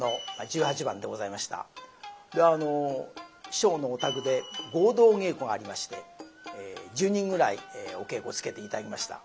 師匠のお宅で合同稽古がありまして１０人ぐらいお稽古つけて頂きました。